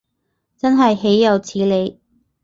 真係豈有此理